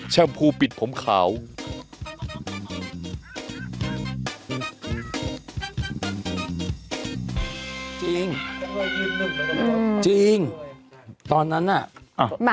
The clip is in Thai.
จริงจริงตอนนั้นนะ